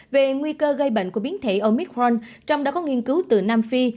về nguy cơ gây bệnh của biến thể omicron trong đó có nghiên cứu từ nam phi